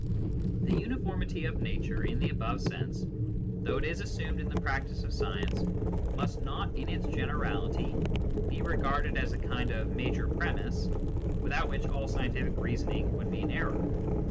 The uniformity of nature, in the above sense, although it is assumed in the practice of science, must not, in its generality, be regarded as a kind of major premiss, with out which all scientific reasoning would be in error.